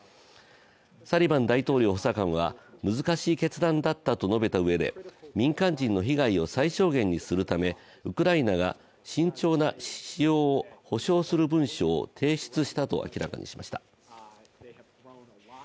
サリバン大統領補佐官は難しい決断だったと述べたうえで民間人の被害を最小限にするためウクライナが慎重な使用を保証する文書を提出したと明らかにしました。